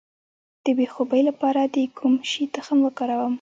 د بې خوبۍ لپاره د کوم شي تخم وکاروم؟